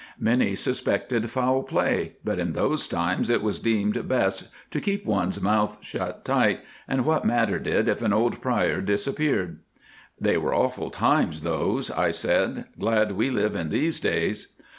"Many suspected foul play, but in those times it was deemed best to keep one's mouth shut tight, and what mattered it if an old Prior disappeared?" "They were awful times those," I said. "Glad we live in these days."